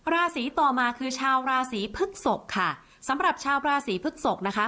ราศีต่อมาคือชาวราศีพฤกษกค่ะสำหรับชาวราศีพฤกษกนะคะ